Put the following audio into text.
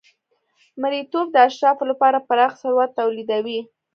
مریتوب د اشرافو لپاره پراخ ثروت تولیدوي.